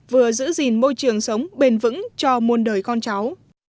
vừa giữ gìn môi trường sống bền vững cho muôn đời con cháu